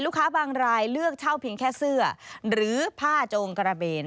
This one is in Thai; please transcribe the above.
บางรายเลือกเช่าเพียงแค่เสื้อหรือผ้าโจงกระเบน